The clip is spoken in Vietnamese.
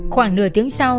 khoảng nửa tiếng sau